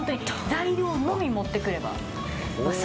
材料のみ持ってくれば。